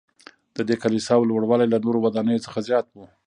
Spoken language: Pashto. ددې کلیساوو لوړوالی له نورو ودانیو څخه زیات و.